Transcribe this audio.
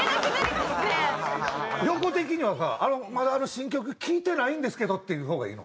ヨコ的にはさ「まだあの新曲聴いてないんですけど」って言う方がいいの？